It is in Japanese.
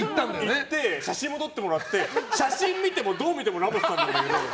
行って、写真も撮ってもらって写真見てもどう見てもラモスさんなんだけど。